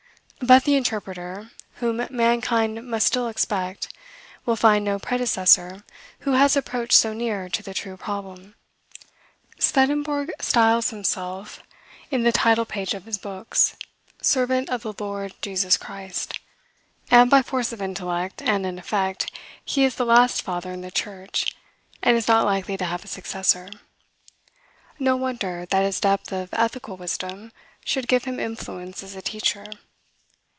But the interpreter, whom mankind must still expect, will find no predecessor who has approached so near to the true problem. Swedenborg styles himself, in the title page of his books, "Servant of the Lord Jesus Christ;" and by force of intellect, and in effect, he is the last Father in the Church, and is not likely to have a successor. No wonder that his depth of ethical wisdom should give him influence as a teacher.